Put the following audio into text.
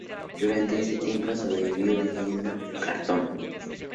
Durante este tiempo sobrevivió vendiendo cartón.